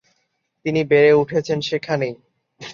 তিনি বেড়ে উঠেছেন সেখানেই।